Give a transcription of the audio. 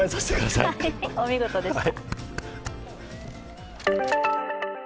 はい、お見事でした。